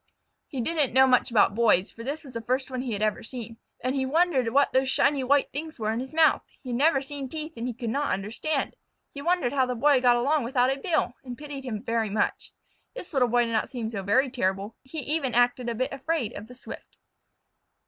He didn't know much about Boys, for this was the first one he had ever seen, and he wondered what those shiny white things were in his mouth. He had never seen teeth and he could not understand. He wondered how the Boy got along without a bill, and pitied him very much. This Little Boy did not seem so very terrible. He even acted a bit afraid of the Swift.